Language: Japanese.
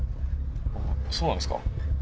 そうなんですか？